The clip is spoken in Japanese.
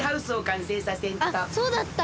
あっそうだった！